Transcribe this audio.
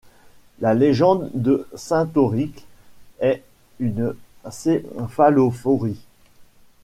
La légende de saint Oricle est une céphalophorie.